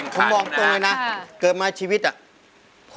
เขาไม่เคยเคยมีแฟนเลยนะ